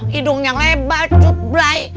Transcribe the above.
hidungnya lebat cutblay